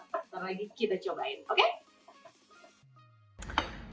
sebentar lagi kita cobain oke